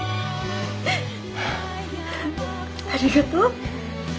ありがとう。